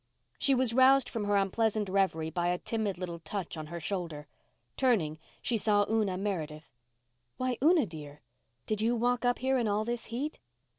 She was roused from her unpleasant reverie by a timid little touch on her shoulder. Turning, she saw Una Meredith. "Why, Una, dear, did you walk up here in all this heat?"